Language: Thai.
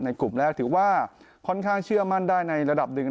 กลุ่มแรกถือว่าค่อนข้างเชื่อมั่นได้ในระดับหนึ่ง